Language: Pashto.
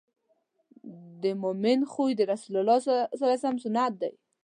د مؤمن خوی د رسول الله سنت دی.